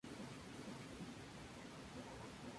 Texto de la placa en el monumento en memoria del episodio.